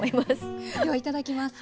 ではいただきます。